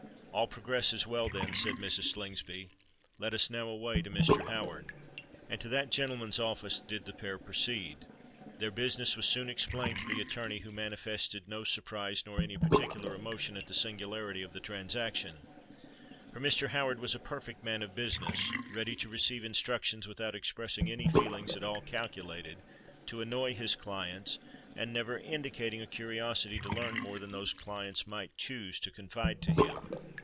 "All progresses well, then," said Mrs. Slingsby. "Let us now away to Mr. Howard." And to that gentleman's office did the pair proceed. Their business was soon explained to the attorney, who manifested no surprise nor any particular emotion at the singularity of the transaction; for Mr. Howard was a perfect man of business, ready to receive instructions without expressing any feelings at all calculated to annoy his clients, and never indicating a curiosity to learn more than those clients might choose to confide to him.